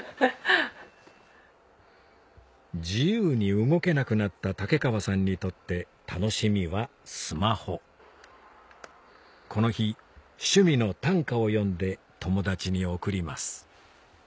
自由に動けなくなった竹川さんにとって楽しみはスマホこの日趣味の短歌を詠んで友達に送ります